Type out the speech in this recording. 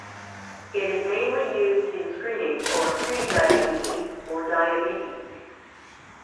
It is mainly used in screening for prediabetes or diabetes.